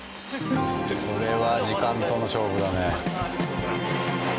これは時間との勝負だね。